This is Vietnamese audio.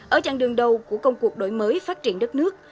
ở chặng đường đầu của công cuộc đổi mới phát triển đất nước